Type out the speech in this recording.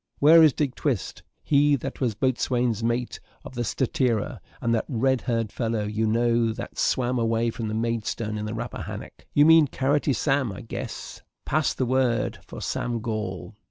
Where is Dick Twist, he that was boatswain's mate of the Statira; and that red haired fellow, you know, that swam away from the Maidstone in the Rappahanock?" "You mean carroty Sam, I guess pass the word for Sam Gall."